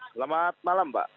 selamat malam pak